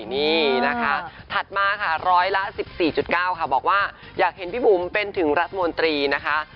นี่นะคะถัดมาค่ะร้อยละ๑๔๙ค่ะบอกว่าอยากเห็นพี่บุ๋มเป็นถึงรัฐมนตรีนะคะ